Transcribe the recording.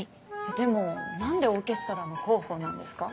でも何でオーケストラの広報なんですか？